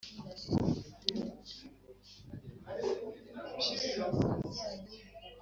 Umutwaro w'ibyaha, Dore uburyo undembeje!